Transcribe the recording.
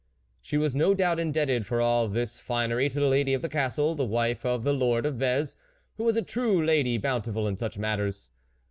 She was, no doubt, indebted for all this finery to the Lady of the Castle, the wife of the lord of Vez, who was a true Lady Bountiful in such matters.